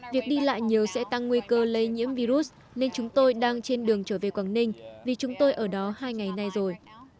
việc đi lại nhiều sẽ tăng nguy cơ lây nhiễm virus nên chúng tôi đang trên đường trở về quảng ninh vì chúng tôi ở đó hai ngày nay rồi